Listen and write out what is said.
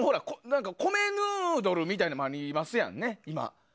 米ヌードルみたいなのもありますやん。